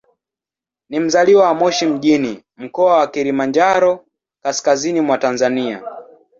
Ni mzaliwa wa Moshi mjini, Mkoa wa Kilimanjaro, kaskazini mwa Tanzania.